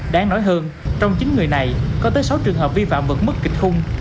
đáng nói hơn trong chín người này có tới sáu trường hợp vi phạm vẫn mức kịch khung